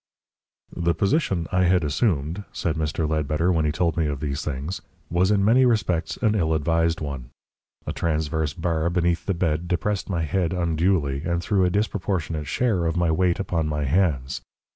"The position I had assumed," said Mr. Ledbetter when he told me of these things, "was in many respects an ill advised one. A transverse bar beneath the bed depressed my head unduly, and threw a disproportionate share of my weight upon my hands.